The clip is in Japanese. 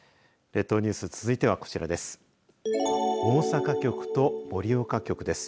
列島ニュース続いてはこちらです。